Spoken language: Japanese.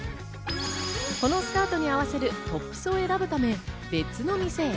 このスカートに合わせるトップスを選ぶため別の店へ。